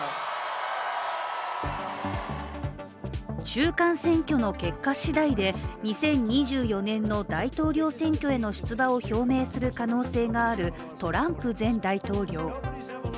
中間選挙の結果しだいで２０２４年の大統領選挙への出馬を表明する可能性があるトランプ前大統領。